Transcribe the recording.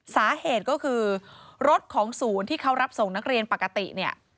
สาเหตุก็คือรถของศูนย์ที่เขารับส่งนักเรียนปกติเนี่ย